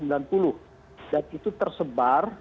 nah alhamdulillah ini semua sudah terbentuk